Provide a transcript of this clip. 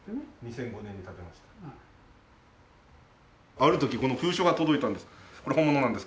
ある時この封書が届いたんです。